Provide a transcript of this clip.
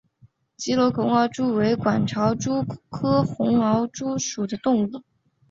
吉隆红螯蛛为管巢蛛科红螯蛛属的动物。